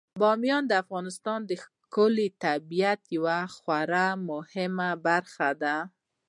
بامیان د افغانستان د ښکلي طبیعت یوه خورا مهمه برخه ده.